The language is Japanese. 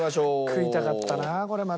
食いたかったなこれまた。